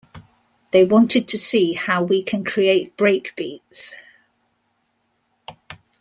They wanted to see how we can create break beats.